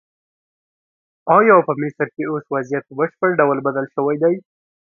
ایا په مصر کې اوس وضعیت په بشپړ ډول بدل شوی دی؟